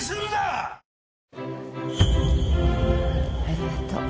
ありがとう。